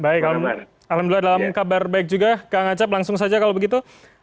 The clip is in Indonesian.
baik alhamdulillah dalam kabar baik juga kang acep langsung saja kalau begitu